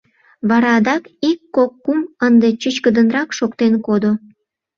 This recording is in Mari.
Вара адак: ик, кок, кум — ынде чӱчкыдынрак шоктен кодо.